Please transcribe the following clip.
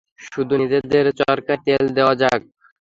শুধু নিজেদের চরকায় তেল দেয়া যাক।